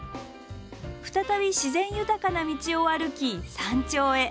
再び自然豊かな道を歩き山頂へ。